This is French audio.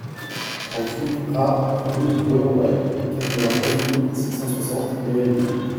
trente-huit A rue de Renonval, quatre-vingt-onze mille six cent soixante Méréville